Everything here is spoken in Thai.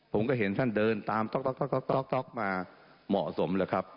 ผมก็เห็นท่านเดินตามต๊อกต๊อกต๊อกต๊อกต๊อกต๊อกมาเหมาะสมเลยครับ